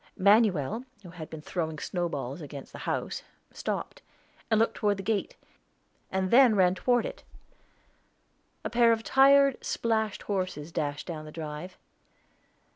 Manuel, who had been throwing snowballs against the house, stopped, and looked toward the gate, and then ran toward it. A pair of tired, splashed horses dashed down the drive.